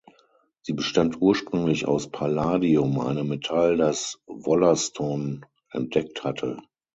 Sie bestand ursprünglich aus Palladium, einem Metall, das Wollaston entdeckt hatte.